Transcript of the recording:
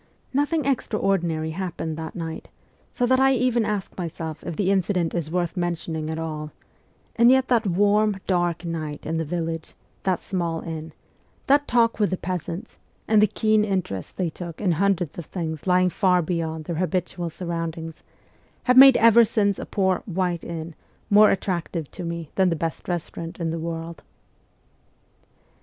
Nothing extraordinary happened that night, so that I even ask myeelf if the incident is worth mentioning at all ; and yet that warm, dark night in the village, that small inn, that talk with the peasants, and the keen interest they took in hundreds of things lying far beyond their habitual surroundings, have made ever since a poor ' white inn ' more attractive to me than the best restaurant in the world.